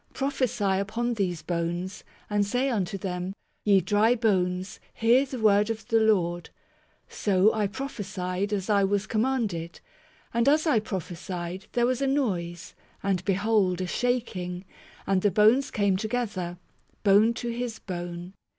... Prophesy upon these bones, and say unto them, ye dry bones, hear the word of the Lord. ... So 1 prophesied as I was commanded ; and as I pro phesied, there was a noise, and behold a shaking, and the bones came together, bone to his bone.